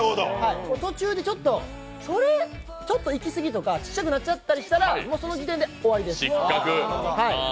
途中でちょっと、それ、いきすぎとかちっちゃくなっちゃったりしたらその時点で終わりです。